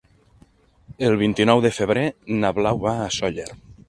El vint-i-nou de febrer na Blau va a Sóller.